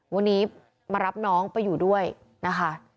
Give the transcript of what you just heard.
วันนี้มารับน้องไปอยู่ด้วยนะคะ